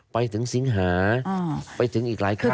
ไปถึงสิงหาไปถึงอีกหลายครั้ง